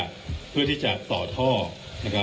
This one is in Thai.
คุณผู้ชมไปฟังผู้ว่ารัฐกาลจังหวัดเชียงรายแถลงตอนนี้ค่ะ